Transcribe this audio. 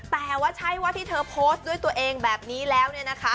แต่ว่าใช่ว่าที่เธอโพสต์ด้วยตัวเองแบบนี้แล้วเนี่ยนะคะ